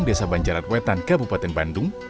desa banjaran wetan kabupaten bandung